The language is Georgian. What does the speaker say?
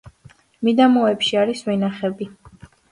მიდამოებში არის ვენახები.